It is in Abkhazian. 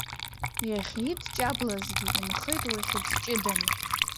Иахьидҷаблазгьы инхеит уи хьыӡ ҷыдан.